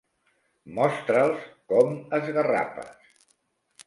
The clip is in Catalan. Mostra'ls com esgarrapes.